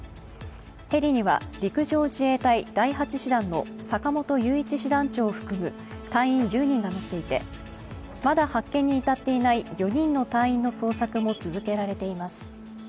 ヘリには陸上自衛隊第８師団の坂本雄一師団長を含む隊員１０人が乗っていて、まだ発見に至っていない４人の隊員の捜索も続けられています。